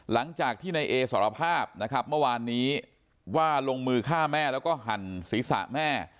หลังจากที่นายเอสารภาพนะครับเมื่อวานนี้ว่าลงมือฆ่าแม่แล้วก็หั่นศีรษะแม่